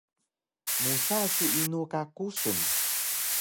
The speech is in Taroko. Musa su inu ka kusun?